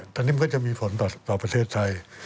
ตอนนี้มันก็จะมีผลต่อประเทศไทย